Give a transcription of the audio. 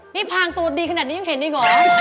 นี่พางตัวดีขนาดนี้ยังเห็นอีกเหรอ